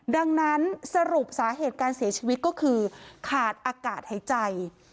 ดังนั้นสรุปสาเหตุการเสียชีวิตก็คือขาดอากาศหายใจ